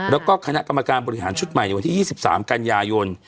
แล้วก็คณะกรรมการบริหารชุดใหม่ในวันที่๒๓กันยายน